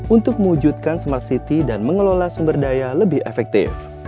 untuk mewujudkan smart city dan mengelola sumber daya lebih efektif